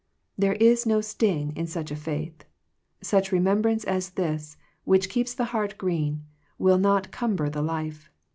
There is no sting in such a faith. Such remembrance as this, which keeps the heart green, will not cumber the life.